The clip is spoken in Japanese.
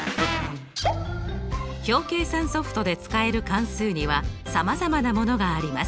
表計算ソフトで使える関数にはさまざまなものがあります。